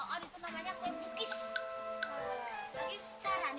mulut kau jaga pun roman